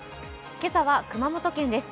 今朝は熊本県です。